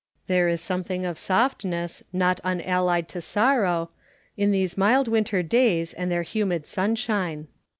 There is something of softness, not unallied to sorrow, in these mild winter days and their humid sunshine.